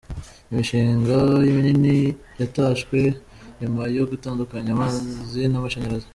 Imishinga minini yatashwe nyuma yo gutandukanya amazi n’amashanyarazi.